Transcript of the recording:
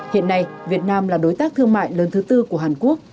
hiện nay việt nam là đối tác thương mại lớn thứ tư của hàn quốc